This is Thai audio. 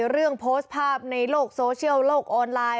เรื่องโพสต์ภาพในโลกโซเชียลโลกออนไลน์